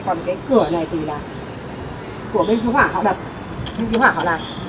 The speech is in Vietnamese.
còn cái cửa này thì là của bên thiếu hỏa họ đập